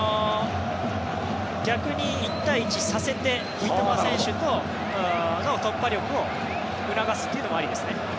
逆に１対１をさせて三笘選手の突破力を促すのもありですね。